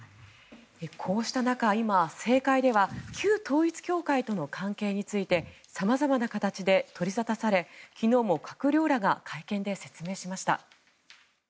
こうした中、今政界では旧統一教会との関係について様々な形で取り沙汰され昨日も閣僚らが会見で説明しました。